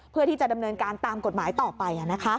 เพื่อที่จะดำเนินการตามกฎหมายต่อไป